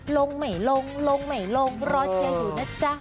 ลงไม่ลงลงไม่ลงรอเชียร์อยู่นะจ๊ะ